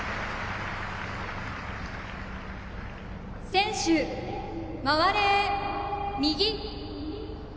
選手、回れ右！